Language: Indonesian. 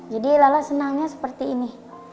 jadi lala senangnya seperti ini